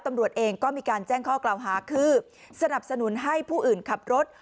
ตำรวจเองก็มีการแจ้งข้อกล่าวหาคือสนับสนุนให้ผู้อื่นขับรถ